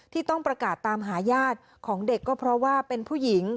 ที่ต้องประกาศตามหาญาติของเด็กก็เพราะว่าเป็นผู้หญิง